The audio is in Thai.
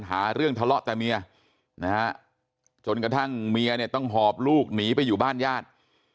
หาเรื่องทะเลาะแต่เมียนะฮะจนกระทั่งเมียเนี่ยต้องหอบลูกหนีไปอยู่บ้านญาติ